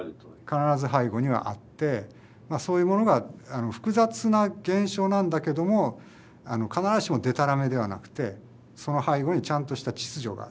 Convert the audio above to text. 必ず背後にはあってまあそういうものが複雑な現象なんだけども必ずしもデタラメではなくてその背後にちゃんとした秩序がある。